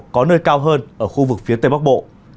có nơi cao hơn ở khu vực phía tây bắc bộ